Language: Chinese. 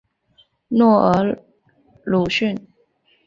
诺尔鲁瓦。